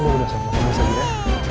nih udah sampai sama nisa dia ya